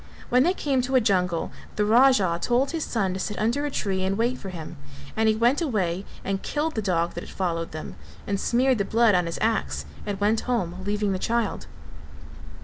When they came to a jungle the Raja told his son to sit under a tree and wait for him, and he went away and killed the dog that had followed them and smeared the blood on his axe and went home, leaving the child.